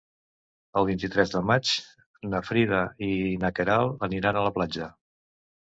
El vint-i-tres de maig na Frida i na Queralt aniran a la platja.